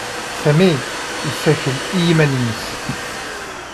Sami yessakel i yiman-nnes.